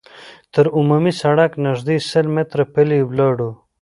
تر عمومي سړکه نږدې سل متره پلي لاړو.